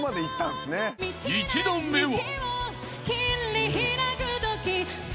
［１度目は］